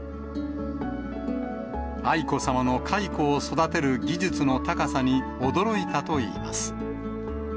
愛子さまの蚕を育てる技術の高さに驚いたといいます。